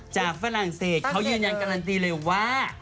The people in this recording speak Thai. ฝรั่งเศสเขายืนยันการันตีเลยว่า